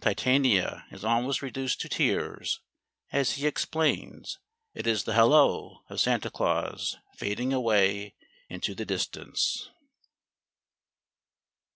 Titania is almost reduced to tears as he explains it is the halloo of Santa Claus fading away into the distance.